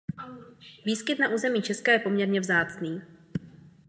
Výskyt na území Česka je poměrně vzácný.